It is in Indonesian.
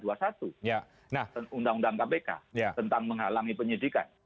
undang undang kpk tentang menghalangi penyidikan